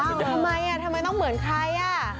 ทำไมทำไมต้องเหมือนใครอ่ะ